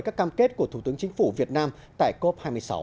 các cam kết của thủ tướng chính phủ việt nam tại cop hai mươi sáu